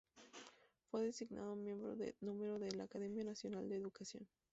Fue designado miembro de número de la Academia Nacional de Educación.